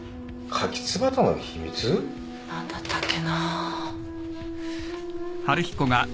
何だったっけな。